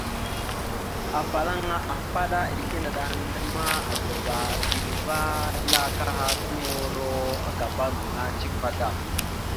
Afalaŋa ahpaɗá islé naɗ a ndaɗ ma, aababa a veɗ ava ya akaha ta muro agaba gaŋa cek vaɗ da.